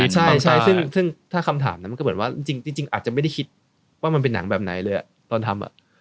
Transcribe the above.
ใช่ซึ่งถ้าคำถามนั้นมันก็เหมือนว่าจริงอาจจะไม่ได้คิดว่ามันเป็นหนังแบบไหนเลยตอนทำ